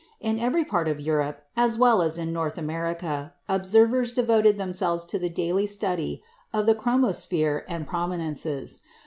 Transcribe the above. In every part of Europe, as well as in North America, observers devoted themselves to the daily study of the chromosphere and prominences.